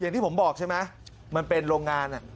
อย่างที่ผมบอกใช่ไหมมันเป็นโรงงาน